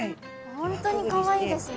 本当にかわいいですね。